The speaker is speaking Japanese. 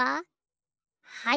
はい。